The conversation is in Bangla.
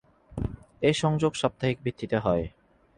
এ সংযোগ সাপ্তাহিক ভিত্তিতে হয়।